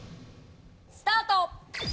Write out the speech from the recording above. スタート！